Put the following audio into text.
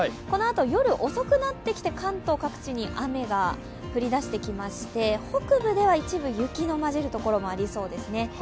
このあと夜遅くなってきてから関東各地に雨が降りだしてきまして北部では一部、雪が交じる所もありそうですね。